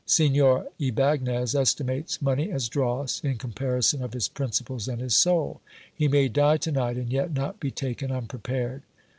Signor Ybagnez estimates money as dross, in comparison of his principles and his soul. He may die to night, and yet not be taken unprepared